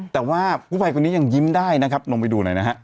แต่ว่าผู้ภัยคนนี้ยังยิ้มได้นะครับลงไปดูหน่อยนะฮะ